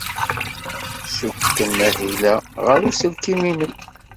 Ssukken ahil-a ɣer uselkim-nnem.